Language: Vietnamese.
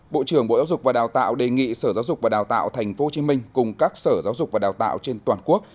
bộ trưởng bộ giáo dục và đào tạo đề nghị sở giáo dục và đào tạo tp hcm cùng các sở giáo dục và đào tạo trên toàn quốc